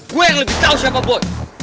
gue yang lebih tau siapa boy